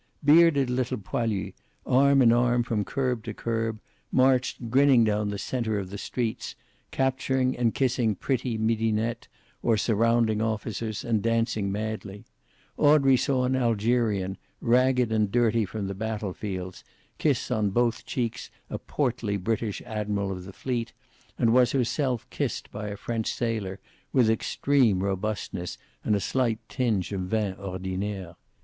Bearded little poilus, arm in arm from curb to curb, marched grinning down the center of the streets, capturing and kissing pretty midinettes, or surrounding officers and dancing madly; Audrey saw an Algerian, ragged and dirty from the battle fields, kiss on both cheeks a portly British Admiral of the fleet, and was herself kissed by a French sailor, with extreme robustness and a slight tinge of vin ordinaire.